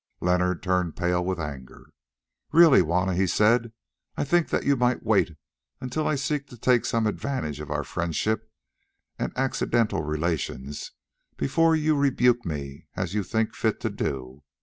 Leonard turned pale with anger. "Really, Juanna," he said, "I think that you might wait until I seek to take some advantage of our friendship and accidental relations before you rebuke me as you think fit to do.